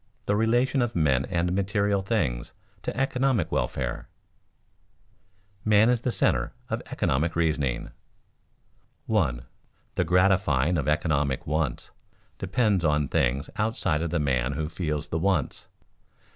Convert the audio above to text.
THE RELATION OF MEN AND MATERIAL THINGS TO ECONOMIC WELFARE [Sidenote: Man is the center of economic reasoning] 1. _The gratifying of economic wants depends on things outside of the man who feels the wants.